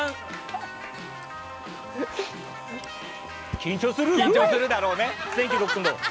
緊張するだろうね。